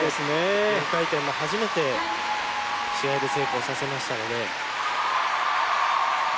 ４回転も初めて試合で成功させましたので。